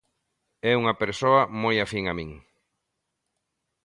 É unha persoa moi afín a min.